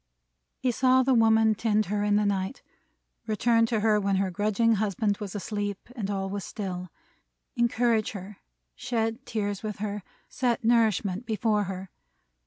He saw the woman tend her in the night; return to her when her grudging husband was asleep, and all was still; encourage her, shed tears with her, set nourishment before her.